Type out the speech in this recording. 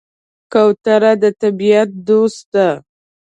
کوتره د طبیعت دوست ده.